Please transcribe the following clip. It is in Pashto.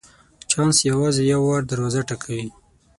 چانس یوازي یو وار دروازه ټکوي .